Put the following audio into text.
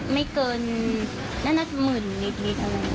ไม่เกินน่าจะหมื่นนิดนิดอะไร